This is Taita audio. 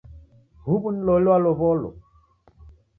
Huw'u ni loli walow'olo?